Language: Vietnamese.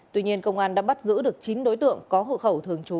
tuy nhiên công an đã bắt giữ được chín đối tượng có hộ khẩu thường trú